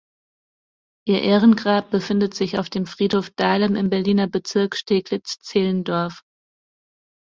Ihr Ehrengrab befindet sich auf dem Friedhof Dahlem im Berliner Bezirk Steglitz-Zehlendorf.